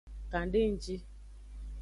Kan de nji.